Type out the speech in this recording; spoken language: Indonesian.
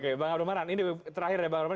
oke bang abdul manan ini terakhir ya